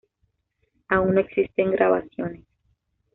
Aún no existen grabaciones.